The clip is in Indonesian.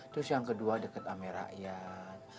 terus yang kedua deket sama rakyat